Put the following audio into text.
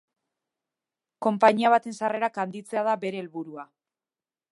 Konpainia baten sarrerak handitzea da bere helburua.